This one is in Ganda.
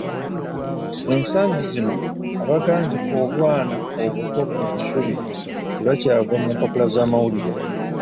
Ensangi zino abaganzika obwana obuto ku busubi tebakyava mu mpapula za mawulire.